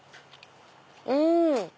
うん！